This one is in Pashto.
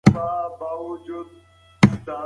دوی په فضا کې خپل مدار تعقیبوي.